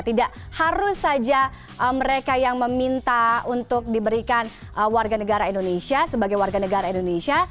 tidak harus saja mereka yang meminta untuk diberikan warganegara indonesia sebagai warganegara indonesia